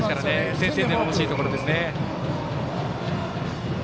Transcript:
先制点が欲しいところですよね。